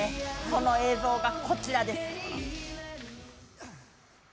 この映像がこちらです。